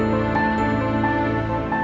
suara bagian gila